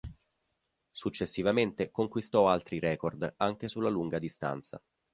Successivamente conquistò altri record anche sulla lunga distanza.